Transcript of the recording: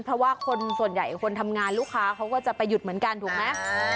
เพราะว่าคนส่วนใหญ่คนทำงานลูกค้าเขาก็จะไปหยุดเหมือนกันถูกไหม